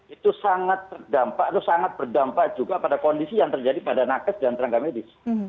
itu sangat berdampak juga pada kondisi yang terjadi pada nakas dan tenaga medis